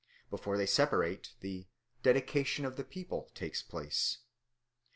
Before they separate the "dedication of the people" takes place.